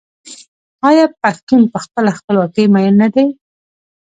آیا پښتون په خپله خپلواکۍ مین نه دی؟